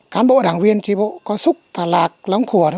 cán bộ đảng viên trí bộ có súc tà lạc lóng khổ